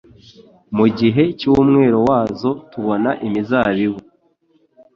Mu gihe cy’umwero wazo, tubona imizabibu